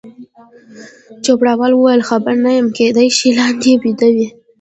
چوپړوال وویل: خبر نه یم، کېدای شي لاندې بیده وي.